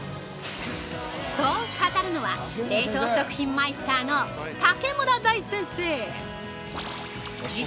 ◆そう語るのは冷凍食品マイスターのタケムラダイ先生！